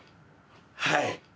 はい。